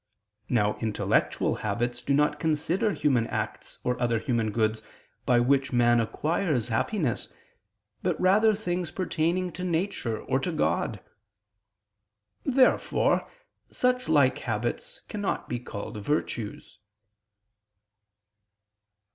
Now intellectual habits do not consider human acts or other human goods, by which man acquires happiness, but rather things pertaining to nature or to God. Therefore such like habits cannot be called virtues.